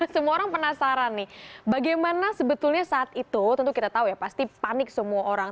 semua orang penasaran nih bagaimana sebetulnya saat itu tentu kita tahu ya pasti panik semua orang